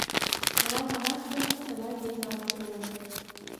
молан манаш гын чыла еш залыште улеш.